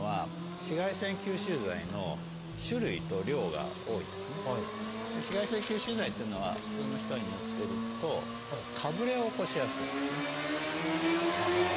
紫外線吸収剤っていうのは普通の人に塗ってるとかぶれを起こしやすいんですね。